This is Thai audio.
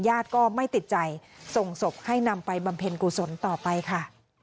ญาติก็ไม่ติดใจส่งศพให้นำไปบำเพ็ญกุศลต่อไปค่ะ